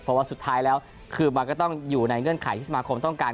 เพราะว่าสุดท้ายแล้วคือมันก็ต้องอยู่ในเงื่อนไขที่สมาคมต้องการ